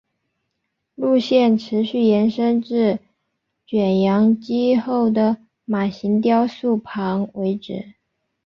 路线持续延伸至卷扬机后的马型雕塑旁为止。